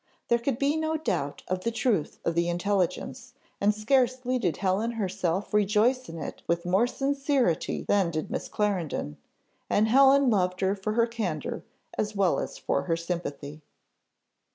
There could be no doubt of the truth of the intelligence, and scarcely did Helen herself rejoice in it with more sincerity than did Miss Clarendon, and Helen loved her for her candour as well as for her sympathy.